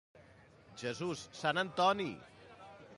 Jesús, sant Antoni!